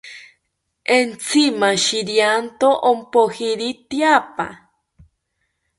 Entzi mashirianto ompojiri tyaapa